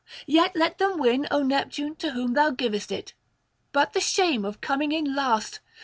yet let them win, O Neptune, to whom thou givest it. But the shame of coming in last!